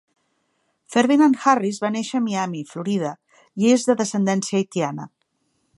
Ferdinand-Harris va néixer a Miami, Florida i és de descendència haitiana.